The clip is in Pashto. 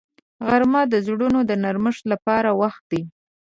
غرمه د زړونو د نرمښت لپاره وخت دی